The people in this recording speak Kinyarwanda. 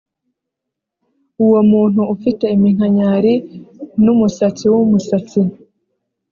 uwo muntu ufite iminkanyari n umusatsi wumusatsi.